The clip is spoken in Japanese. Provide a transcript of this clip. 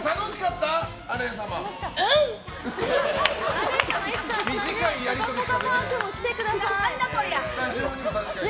アレン様、いつかぽかぽかパークにも来てください。